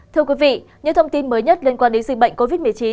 thưa quý vị những thông tin mới nhất liên quan đến dịch bệnh covid một mươi chín